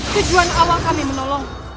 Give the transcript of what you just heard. tujuan awal kami menolong